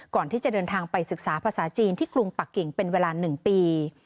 ก่อนที่จะเดินทางไปศึกษาภาษาจีนที่กรุงปักกิ่งเป็นเวลา๑ปี